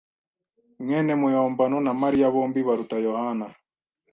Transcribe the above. mwene muyombano na Mariya bombi baruta Yohana.